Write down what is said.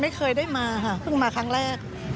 ไม่เคยได้มาค่ะเพิ่งมาครั้งแรก